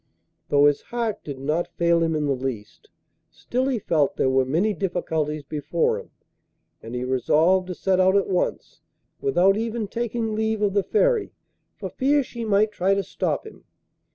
Though his heart did not fail him in the least, still he felt there were many difficulties before him, and he resolved to set out at once, without even taking leave of the Fairy, for fear she might try to stop him.